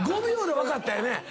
５秒で分かったよね。